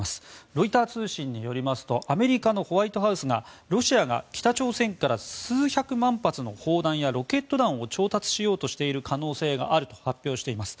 ロイター通信によりますとアメリカのホワイトハウスがロシアが北朝鮮から数百万発の砲弾やロケット弾を調達しようとしている可能性があると発表しています。